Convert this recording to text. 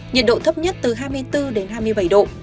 nhiệt độ thấp nhất từ hai mươi bốn đến hai mươi bảy độ